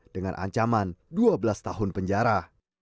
dengan ancaman dua belas tahun penjara